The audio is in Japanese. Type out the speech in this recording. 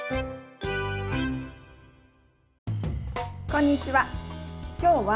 こんにちは。